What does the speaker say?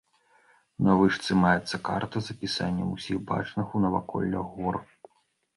На вышцы маецца карта з апісаннем ўсіх бачных у наваколлях гор.